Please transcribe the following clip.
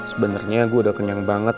sebenarnya gue udah kenyang banget